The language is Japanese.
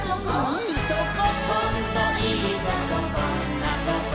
いいとこ！